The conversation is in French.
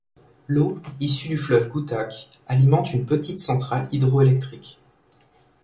L'eau, issue du fleuve Gutach, alimente une petite centrale hydro-électrique.